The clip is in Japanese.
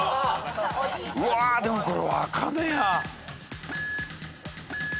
うわでもこれ分かんねえや。